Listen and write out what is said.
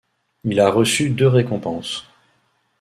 Il a reçu deux récompenses.